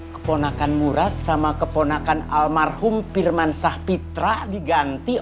keponakan murad sama keponakan almarhum pirman sahpitra diganti